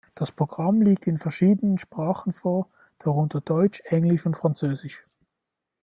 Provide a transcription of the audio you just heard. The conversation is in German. Das Programm liegt in verschiedenen Sprachen vor, darunter Deutsch, Englisch und Französisch.